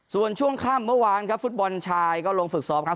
ส่วนช่วงค่ำเมื่อวานครับฟุตบอลชายก็ลงฝึกซ้อมครับ